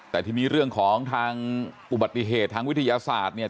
แต่ทีนี้เรื่องของทางอุบัติเหตุทางวิทยาศาสตร์เนี่ย